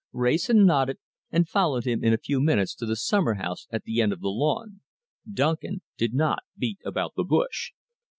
Wrayson nodded, and followed him in a few minutes to the summer house at the end of the lawn. Duncan did not beat about the bush.